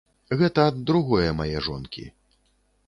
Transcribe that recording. Гэта ад другое мае жонкі.